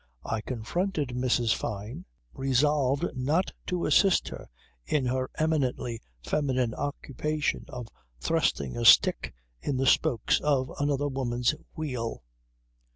I confronted Mrs. Fyne resolved not to assist her in her eminently feminine occupation of thrusting a stick in the spokes of another woman's wheel.